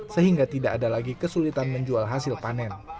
sehingga tidak ada lagi kesulitan menjual hasil panen